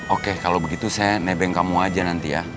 oke kalau begitu saya nebeng kamu aja nanti ya